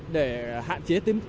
để hạn chế tính